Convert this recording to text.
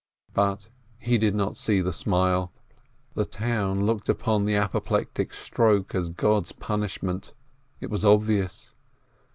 But he did not see the smile. The town looked upon the apoplectic stroke as God's punishment — it was obvious.